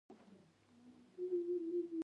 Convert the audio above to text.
افغانستان د طبیعي زیرمې له مخې پېژندل کېږي.